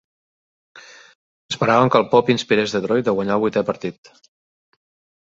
Esperaven que el pop inspirés Detroit a guanyar el vuitè partit.